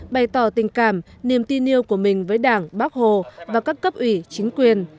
bày tỏ tình cảm niềm tin yêu của mình với đảng bác hồ và các cấp ủy chính quyền